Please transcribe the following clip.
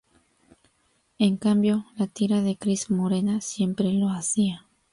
En cambio la tira de Cris Morena siempre lo hacía.